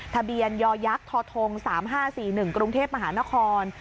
ทะเบียนยอยักษ์ทธงสามห้าสี่หนึ่งกรุงเทพมหานคร